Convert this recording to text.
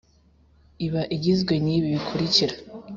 Iba igizwe n’ibi bikurikira